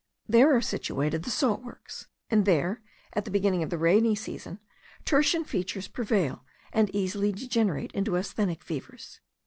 There are situated the salt works; and there, at the beginning of the rainy season, tertian fevers prevail, and easily degenerate into asthenic fevers.